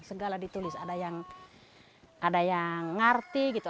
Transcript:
segala ditulis ada yang ngarti gitu